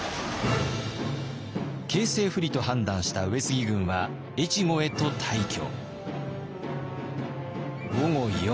形勢不利と判断した上杉軍は越後へと退去。